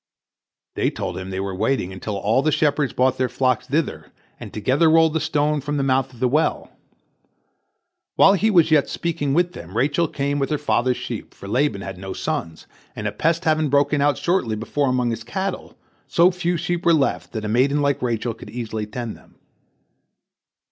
" They told him they were waiting until all the shepherds brought their flocks thither, and together rolled the stone from the mouth of the well. While he was yet speaking with them, Rachel came with her father's sheep, for Laban had no sons, and a pest having broken out shortly before among his cattle, so few sheep were left that a maiden like Rachel could easily tend them.